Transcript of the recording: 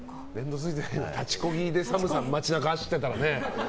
立ちこぎでＳＡＭさんが街中走ってたらね。